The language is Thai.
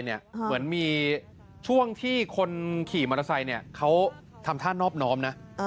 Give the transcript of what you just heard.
เหมือนมีช่วงที่คนขี่มอเตอร์ไซค์เขาทำท่านอบน้อมนะ